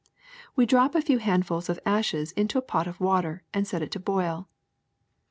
We drop a few handfuls of ashes into a pot of water and set it to boil.